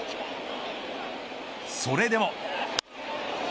それでも。